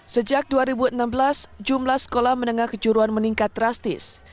sejak dua ribu enam belas jumlah sekolah menengah kejuruan meningkat drastis